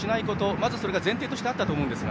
まずそれが前提としてあったと思いますが。